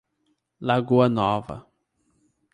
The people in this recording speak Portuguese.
Lagoa Nova